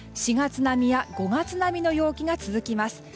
４月並みや５月並みの陽気が続きます。